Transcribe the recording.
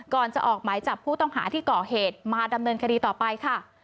ก่อนจะออกหมายจับผู้ต้องหาที่ก่อเหตุมาดำเนินคดีต่อไปค่ะ